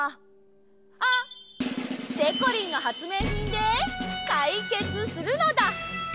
あっ！でこりんのはつめいひんでかいけつするのだ！